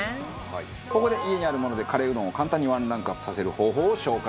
ここで家にあるものでカレーうどんを簡単にワンランクアップさせる方法を紹介します。